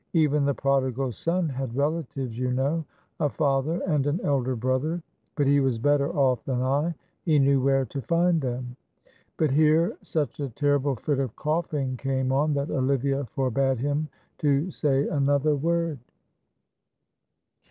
"Even the prodigal son had relatives, you know a father and an elder brother; but he was better off than I, for he knew where to find them" but here such a terrible fit of coughing came on, that Olivia forbade him to say another word.